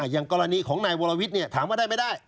อย่างกรณีของนายวรวิทย์ถามว่าได้ไม่ได้